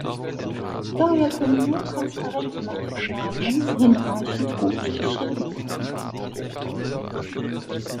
Daher können nur transparente Materialien hinreichend gut beschrieben werden.